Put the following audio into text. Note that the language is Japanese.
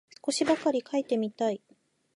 少しばかり書いてみたい